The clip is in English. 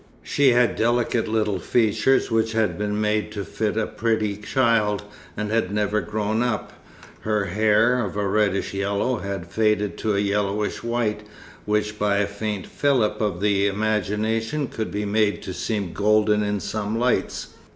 She had delicate little features which had been made to fit a pretty child, and had never grown up. Her hair, of a reddish yellow, had faded to a yellowish white, which by a faint fillip of the imagination could be made to seem golden in some lights.